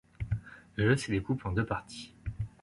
Le jeu se découpe en deux parties.